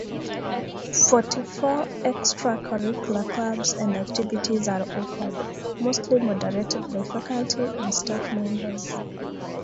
Forty-four extracurricular clubs and activities are offered, mostly moderated by faculty and staff members.